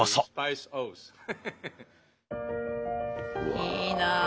いいなぁ。